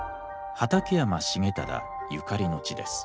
畠山重忠ゆかりの地です。